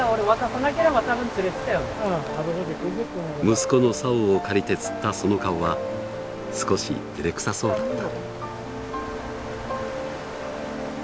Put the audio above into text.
息子の竿を借りて釣ったその顔は少してれくさそうだった。